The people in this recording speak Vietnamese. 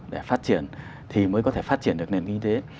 để phát triển thì mới có thể phát triển được nền kinh tế